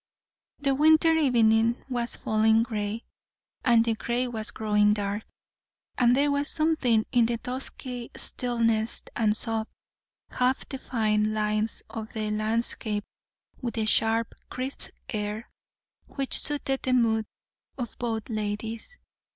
The winter evening was falling grey, and the grey was growing dark; and there was something in the dusky stillness, and soft, half defined lines of the landscape, with the sharp, crisp air, which suited the mood of both ladies.